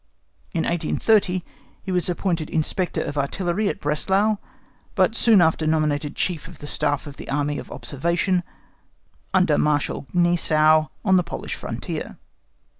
In 1830, he was appointed Inspector of Artillery at Breslau, but soon after nominated Chief of the Staff to the Army of Observation, under Marshal Gneisenau on the Polish frontier.